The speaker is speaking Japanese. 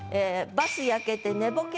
「バス灼けて寝ぼけ